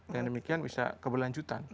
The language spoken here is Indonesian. dengan demikian bisa keberlanjutan